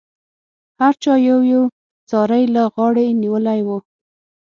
هر چا یو یو څاری له غاړې نیولی و.